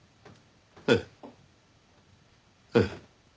ええええ。